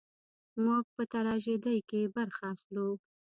موږ په تراژیدۍ کې برخه اخلو.